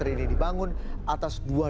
ini dibangun atas dua